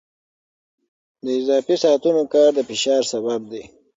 د اضافي ساعتونو کار د فشار سبب دی.